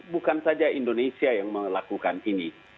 bukan saja indonesia yang melakukan ini